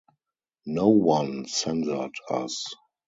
No one censored us.